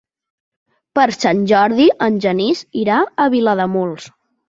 Per Sant Jordi en Genís irà a Vilademuls.